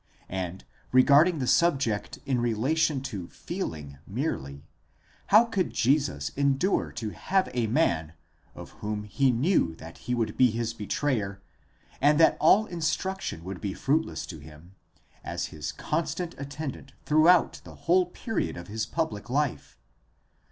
And regarding the subject in relation to feeling merely,—how could Jesus endure to have a man, of whom he knew that he would be his betrayer, and that all instruction would be fruitless to him, as his constant attendant through out the whole period of his public life?